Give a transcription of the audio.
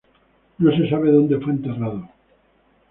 No se sabe donde fue enterrado.